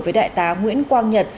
với đại tá nguyễn quang nhật